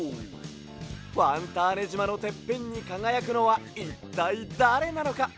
ファンターネじまのてっぺんにかがやくのはいったいだれなのか！？